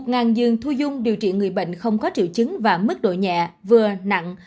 ngàn giường thu dung điều trị người bệnh không có triệu chứng và mức độ nhẹ vừa nặng